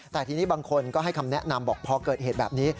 แต่ทีนี้บางคนก็ให้คำแนะนำบอกพอเกิดเหตุแบบนี้